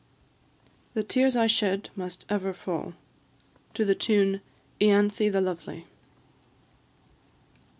THE TEARS I SHED MUST EVER FALL. TUNE _"Ianthe the Lovely."